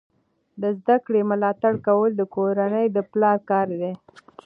د زده کړې ملاتړ کول د کورنۍ د پلار کار دی.